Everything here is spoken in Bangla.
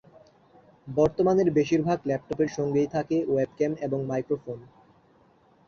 বর্তমানের বেশিরভাগ ল্যাপটপের সঙ্গেই থাকে ওয়েবক্যাম এবং মাইক্রোফোন।